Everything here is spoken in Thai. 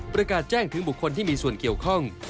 ประกาศแจ้งถึงบุคคลที่มีส่วนเกี่ยวข้อง